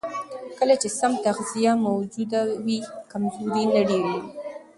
کله چې سم تغذیه موجوده وي، کمزوري نه ډېرېږي.